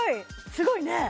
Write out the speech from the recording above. すごいね！